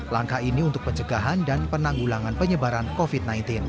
langkah ini untuk pencegahan dan penanggulangan penyebaran covid sembilan belas